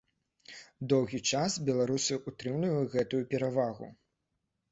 Доўгі час беларусы ўтрымлівалі гэтую перавагу.